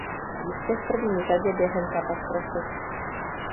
Jistě v první řadě během katastrofy.